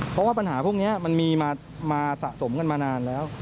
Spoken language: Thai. เพราะว่าปัญหาพวกนี้มันมีมาสะสมกันมานานแล้ว